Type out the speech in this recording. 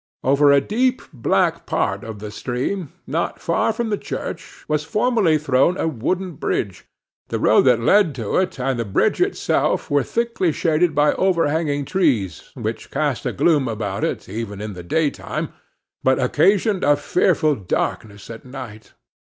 Over a deep black part of the stream, not far from the church, was formerly thrown a wooden bridge; the road that led to it, and the bridge itself, were thickly shaded by overhanging trees, which cast a gloom about it, even in the daytime; but occasioned a fearful darkness at night.